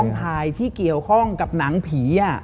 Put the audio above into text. ถ่ายที่เกี่ยวข้องกับหนังผี